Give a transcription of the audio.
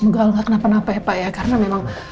semoga allah nggak kenapa napa ya pak karena memang